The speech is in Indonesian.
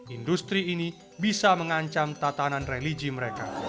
industri ini bisa mengancam tatanan religi mereka